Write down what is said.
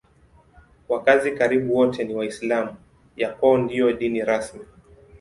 Wakazi karibu wote ni Waislamu; ya kwao ndiyo dini rasmi.